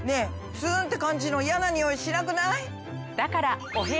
ツーンって感じの嫌なニオイしなくない？